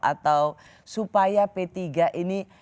atau supaya p tiga ini